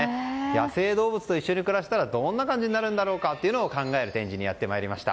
野生生物と一緒に暮らしたらどんな感じになるのかを考える展示にやってまいりました。